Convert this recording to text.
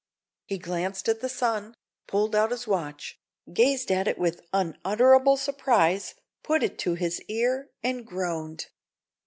He glanced at the sun, pulled out his watch, gazed at it with unutterable surprise, put it to his ear, and groaned.